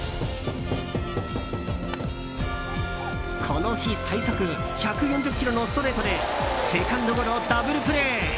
この日最速１４０キロのストレートでセカンドゴロ、ダブルプレー。